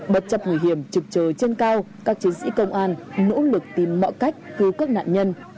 bất chấp nguy hiểm trực chờ trên cao các chiến sĩ công an nỗ lực tìm mọi cách cứu các nạn nhân